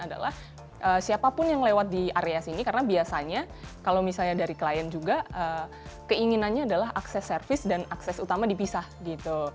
adalah siapapun yang lewat di area sini karena biasanya kalau misalnya dari klien juga keinginannya adalah akses servis dan akses utama dipisah gitu